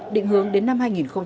định hướng đến năm hai nghìn ba mươi